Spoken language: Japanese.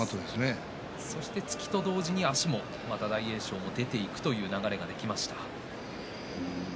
突きと同時に大栄翔、足も出ていくという流れができました。